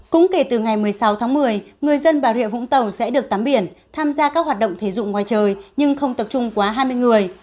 cũng kể từ ngày một mươi sáu tháng một mươi người dân bà rịa vũng tàu sẽ được tắm biển tham gia các hoạt động thể dụng ngoài trời nhưng không tập trung quá hai mươi người